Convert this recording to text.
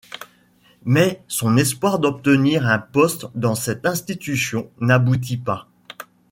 Mais son espoir d’obtenir un poste dans cette institution n’aboutit pas.